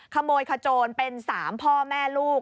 ขโมยขโจรเป็น๓พ่อแม่ลูก